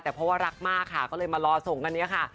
แต่เพราะว่ารักมากค่ะก็เลยมารอส่งอันนี้ค่ะ